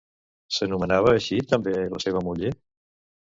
S'anomenava així també la seva muller?